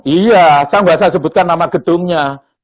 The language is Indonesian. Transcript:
iya saya tidak bisa sebutkan nama gedungnya